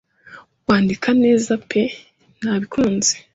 Wandika neza pe nabikunze